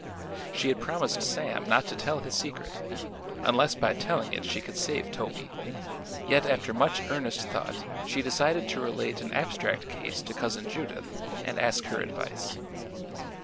She had promised Sam not to tell his secret, unless by telling it she could save Toby, yet after much earnest thought she decided to relate an abstract case to Cousin Judith and ask her advice.